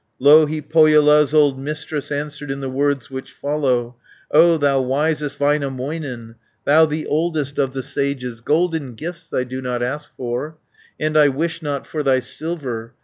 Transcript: Louhi, Pohjola's old Mistress, Answered in the words which follow: "O thou wisest Väinämöinen, Thou the oldest of the sages, Golden gifts I do not ask for, And I wish not for thy silver.